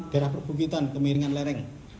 daerah perbukitan kemiringan lereng